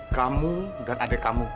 kamu dan adik kamu